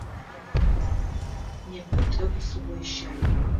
Непэ тӏэкӏу сыгъойщай.